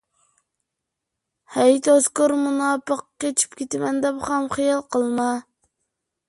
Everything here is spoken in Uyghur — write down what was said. ھەي تۇزكور مۇناپىق، قېچىپ كېتىمەن دەپ خام خىيال قىلما!